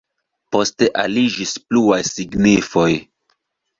Poste aliĝis pluaj signifoj.